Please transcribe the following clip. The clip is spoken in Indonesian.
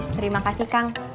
terima kasih kang